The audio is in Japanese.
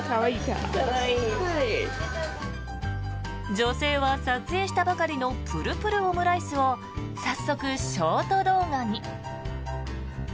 女性は撮影したばかりのプルプルオムライスを早速、ショート動画に。